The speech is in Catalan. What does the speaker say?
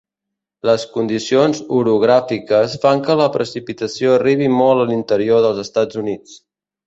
Les condicions orogràfiques fan que la precipitació arribi molt a l’interior dels Estats Units.